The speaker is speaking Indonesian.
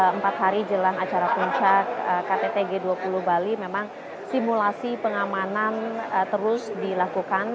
empat hari jelang acara puncak ktt g dua puluh bali memang simulasi pengamanan terus dilakukan